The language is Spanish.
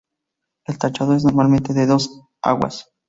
El techado es normalmente de dos aguas.